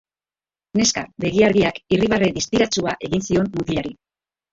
Neska begi-argiak irribarre distiratsua egin zion mutilari.